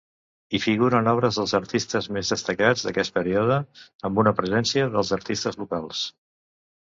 Hi figuren obres dels artistes més destacats d'aquest període, amb una presència dels artistes locals.